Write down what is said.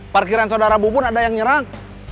parkiran saudara bubun ada yang nyerang